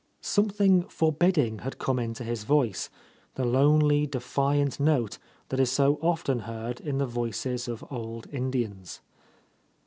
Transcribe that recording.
Something forbidding had come into his voice, the lonely, defiant note that is so often heard in the voices of old Indians.